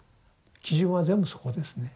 基準は全部そこですね。